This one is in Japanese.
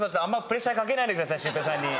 あんまプレッシャーかけないでください